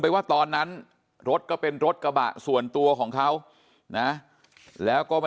ว่าตอนนั้นรถก็เป็นรถกระบะส่วนตัวของเขานะแล้วก็ไม่